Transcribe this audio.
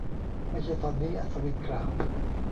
ไม่ใช่ตอนนี้ อัศวินกล่าว